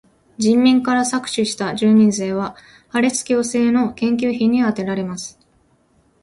人民から搾取した住民税は歯列矯正の研究費にあてられます。